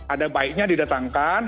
ada baiknya didatangkan